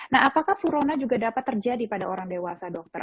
nah apakah flurona juga dapat terjadi pada orang dewasa dokter